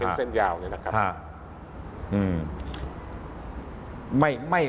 เป็นเส้นยาวเนี่ยนะครับ